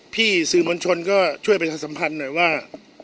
พี่ซืมนชนก็ช่วยไปสัมพันธ์หน่อยว่า